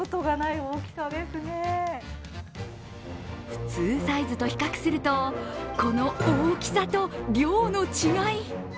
普通サイズと比較するとこの大きさと量の違い。